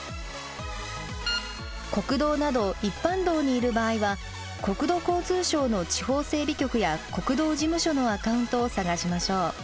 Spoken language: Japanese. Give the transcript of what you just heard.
国道など一般道にいる場合は国土交通省の地方整備局や国道事務所のアカウントを探しましょう。